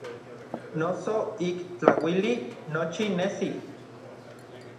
Noso ik tlauili nochi nesi.